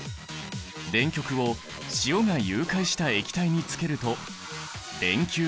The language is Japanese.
電極を塩が融解した液体につけると電球が光った。